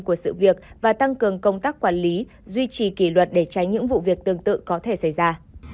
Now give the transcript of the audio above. của sự việc và tăng cường công tác quản lý duy trì kỷ luật để tránh những vụ việc tương tự có thể xảy ra